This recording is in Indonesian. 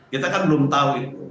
kita kan belum tahu itu